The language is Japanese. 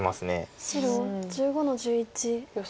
白１５の十一ツケ。